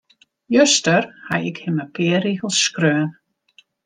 Juster haw ik him in pear rigels skreaun.